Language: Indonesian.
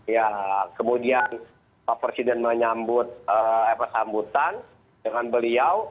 ya kemudian pak presiden menyambut sambutan dengan beliau